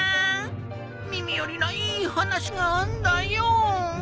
耳よりないい話があんだよぉ。